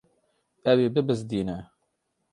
Ew ê bibizdîne.